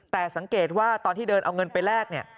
แต่สังเกตว่าตอนที่เดินเอาเงินไปแลกเนี่ย